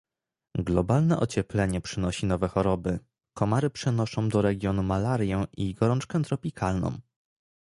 Globalne ocieplenie przynosi nowe choroby, komary przynoszą do regionu malarię i gorączkę tropikalną